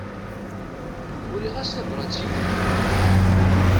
Uriɣ-as tabrat i wul.